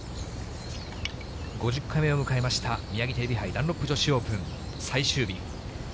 ５０回目を迎えましたミヤギテレビ杯ダンロップ女子オープン最終日。